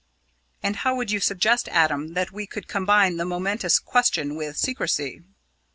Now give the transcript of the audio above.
"And how would you suggest, Adam, that we could combine the momentous question with secrecy?"